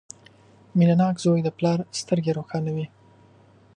• مینهناک زوی د پلار سترګې روښانوي.